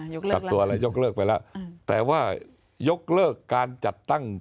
ยกเลิกแล้วตัวอะไรยกเลิกไปแล้วอืมแต่ว่ายกเลิกการจัดตั้ง